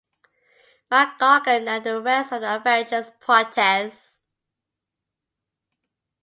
Mac Gargan and the rest of the Avengers protest.